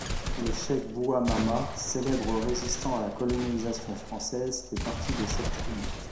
Le Cheikh Bouamama, célèbre résistant à la colonisation française fait partie de cette tribu.